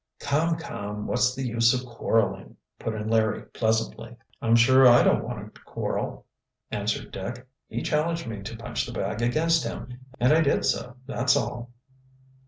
"Come, come, what's the use of quarreling," put in Larry pleasantly. "I'm sure I don't want to quarrel," answered Dick. "He challenged me to punch the bag against him, and I did so, that's all."